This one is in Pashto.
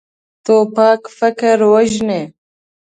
توپک فکر وژني.